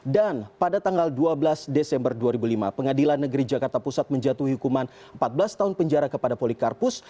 dan pada tanggal dua belas desember dua ribu lima pengadilan negeri jakarta pusat menjatuhi hukuman empat belas tahun penjara kepada polikarpus